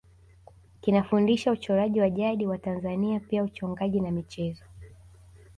Kinafundisha uchoraji wa jadi wa Tanzania pia uchongaji na michezo